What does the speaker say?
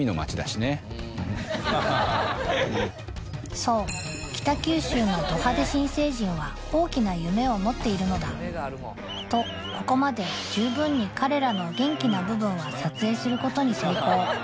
そう北九州のド派手新成人は大きな夢を持っているのだとここまで十分に彼らの元気な部分は撮影することに成功